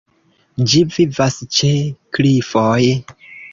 Ĝi vivas ĉe klifoj.